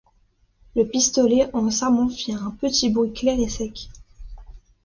Le pistolet en s’armant fit un petit bruit clair et sec.